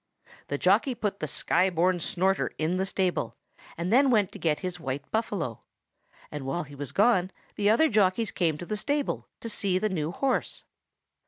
The jockey put the Sky born Snorter in the stable, and then went to get his white buffalo; and while he was gone, the other jockeys came into the stable to see the new horse.